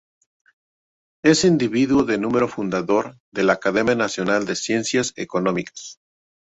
Es Individuo de Número Fundador de la Academia Nacional de Ciencias Económicas.